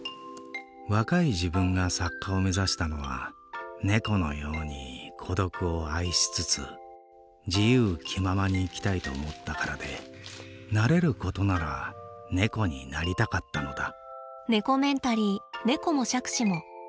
若い自分が作家を目指したのは猫のように孤独を愛しつつ自由気ままに生きたいと思ったからでなれることなら猫になりたかったのだ。